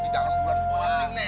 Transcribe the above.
di dalam bulan puasa